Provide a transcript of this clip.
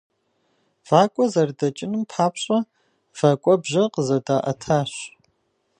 Вакӏуэ зэрыдэкӏыным папщӏэ вэкӏуэбжьэ къызэдаӏэтащ.